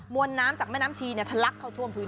วนน้ำจากแม่น้ำชีทะลักเข้าท่วมพื้น